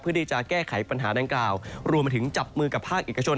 เพื่อที่จะแก้ไขปัญหาดังกล่าวรวมมาถึงจับมือกับภาคเอกชน